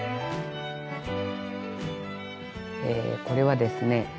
これはですね